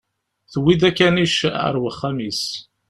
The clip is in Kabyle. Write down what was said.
Tewwi-d akanic ar wexxam-is.